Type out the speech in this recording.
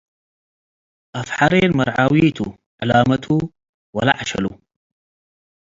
አፍ-ሐሬን መርዓዊቱ ዕ’ላሙ ወለዐሸሉ